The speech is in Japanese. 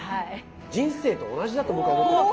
人生と同じだと僕は思ってます。